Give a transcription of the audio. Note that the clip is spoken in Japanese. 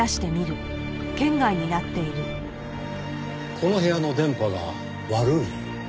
この部屋の電波が悪い？